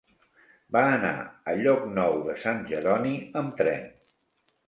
Va anar a Llocnou de Sant Jeroni amb tren.